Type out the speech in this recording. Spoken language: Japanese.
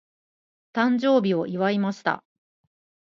誕生日を祝いました。